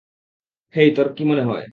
হেই, তোর কী মনে হয়?